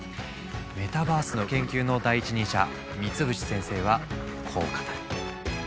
メタバースの研究の第一人者三淵先生はこう語る。